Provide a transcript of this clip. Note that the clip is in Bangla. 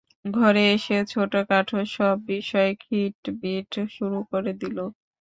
ঘরে এসে ছোটোখাটো সব বিষয়ে খিটখিট শুরু করে দিলে।